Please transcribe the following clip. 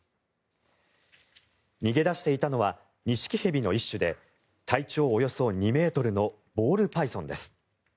逃げ出していたのはニシキヘビの一種で体長およそ２ｍのボールパイソンです。